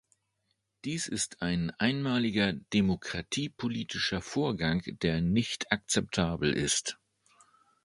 Dies ist ein einmaliger demokratiepolitischer Vorgang, der nicht akzeptabel ist.